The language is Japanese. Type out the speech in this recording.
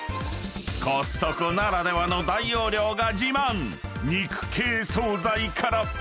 ［コストコならではの大容量が自慢肉系惣菜から］